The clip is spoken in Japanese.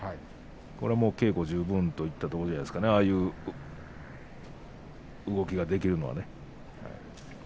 これは稽古十分といったところじゃないですかねああいう動きができるのはね。